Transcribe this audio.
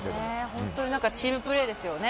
本当にチームプレーですよね。